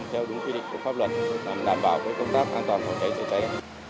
theo đúng quy định của pháp luật đảm bảo công tác an toàn phòng cháy chữa cháy